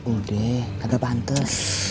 udah kaget pantas